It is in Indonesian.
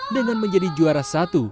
dengan menjadi juara satu